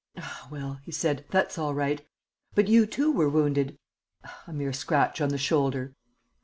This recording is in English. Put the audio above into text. "Ah, well," he said, "that's all right!... But you too were wounded...." "A mere scratch on the shoulder."